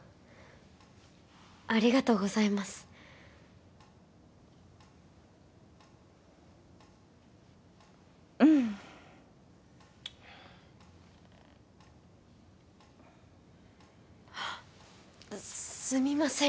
ありがとうございますすみません